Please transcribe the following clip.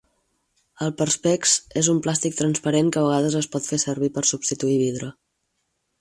El Perspex és un plàstic transparent que a vegades es pot fer servir per substituir vidre.